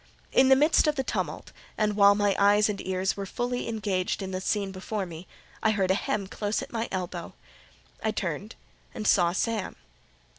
In the midst of the tumult, and while my eyes and ears were fully engaged in the scene before me, I heard a hem close at my elbow: I turned, and saw Sam.